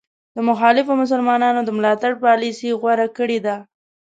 د مخالفو مسلمانانو د ملاتړ پالیسي غوره کړې ده.